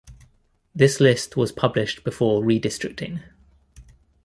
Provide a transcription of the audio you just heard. This list was published before redistricting.